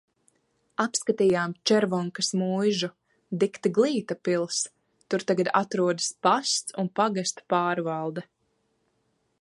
Apskatījām Červonkas muižu. Dikti glīta pils. Tur tagad atrodas pasts un pagasta pārvalde.